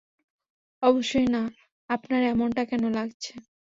অবশ্যই না, আপনার এমনটা কেন লাগছে?